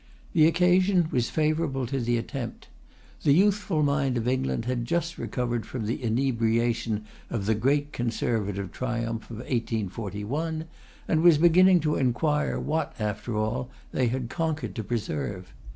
The occasion was favourable to the attempt. The youthful mind of England had just recovered from the inebriation of the great Conservative triumph of 1841, and was beginning to inquire what, after all, they had conquered to preserve.